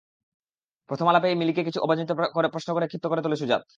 প্রথম আলাপেই মিলিকে কিছু অবাঞ্ছিত প্রশ্ন করে ক্ষিপ্ত করে তোলে সুজাত।